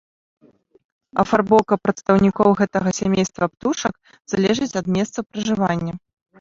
Афарбоўка прадстаўнікоў гэтага сямейства птушак залежыць ад месцаў пражывання.